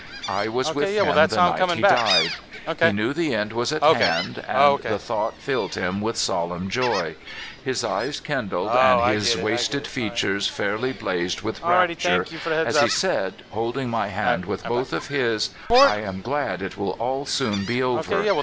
I was with him the night he died. He knew the end was at hand, and the thought filled him with solemn joy. His eyes kindled, and his wasted features fairly blazed with rapture as he said, holding my hand with both of his: *' I am glad it will all soon be over.